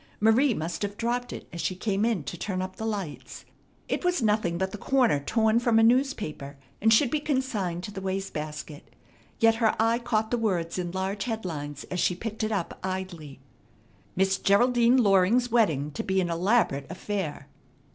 Marie must have dropped it as she came in to turn up the lights. It was nothing but the corner torn from a newspaper, and should be consigned to the waste basket; yet her eye caught the words in large head lines as she picked it up idly, "Miss Geraldine Loring's Wedding to Be an Elaborate Affair."